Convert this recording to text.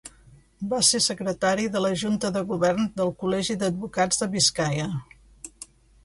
Va ser secretari de la Junta de govern del Col·legi d'Advocats de Biscaia.